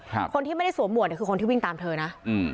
คนที่ไม่ได้สวมหวดเนี้ยคือคนที่วิ่งตามเธอนะอืม